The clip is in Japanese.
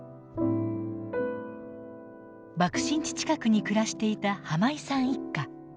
爆心地近くに暮らしていた井さん一家。